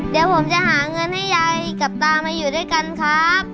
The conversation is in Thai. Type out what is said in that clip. เดี๋ยวผมจะหาเงินให้ยายกับตามาอยู่ด้วยกันครับ